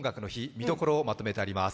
見どころをまとめてあります。